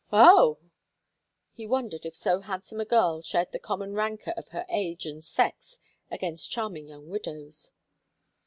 "Oh!" He wondered if so handsome a girl shared the common rancor of her age and sex against charming young widows.